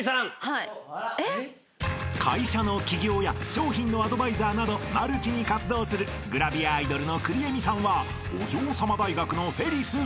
［会社の起業や商品のアドバイザーなどマルチに活動するグラビアアイドルのくりえみさんはお嬢さま大学のフェリス出身］